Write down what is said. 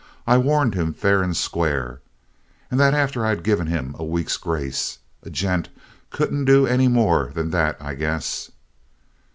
I warned him fair and square. And that after I'd given him a week's grace. A gent couldn't do any more than that, I guess!"